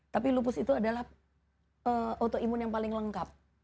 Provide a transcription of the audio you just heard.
tapi lupus itu adalah autoimun yang paling lengkap